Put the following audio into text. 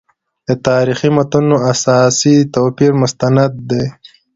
د تاریخي متونو اساسي توپیر مستند دی.